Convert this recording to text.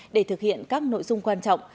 để thực hiện các nội dung quan trọng